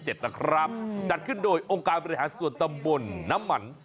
จัดนะครับจัดขึ้นโดยองค์การบริหารส่วนตำบลน้ำมัน